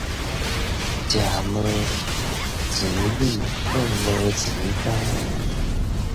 食無錢米，做無錢工